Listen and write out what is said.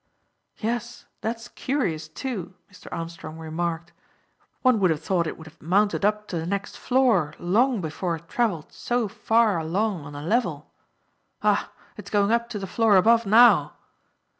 "Yes, that's curious, too," Mr. Armstrong remarked. "One would have thought it would have mounted up to the next floor long before it travelled so far along on a level. Ah, it's going up to the floor above now."